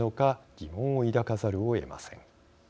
疑問を抱かざるをえません。